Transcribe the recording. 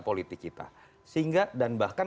politik kita sehingga dan bahkan